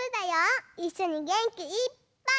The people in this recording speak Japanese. いっしょにげんきいっぱい。